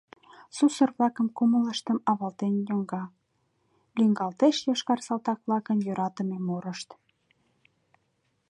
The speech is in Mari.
Сусыр-влакын кумылыштым авалтен йоҥга, лӱҥгалтеш йошкар салтак-влакын йӧратыме мурышт.